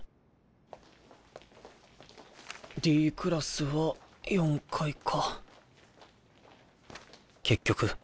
Ｄクラスは４階か。